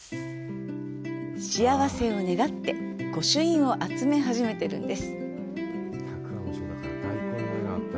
幸せを願ってご朱印を集め始めてるんです。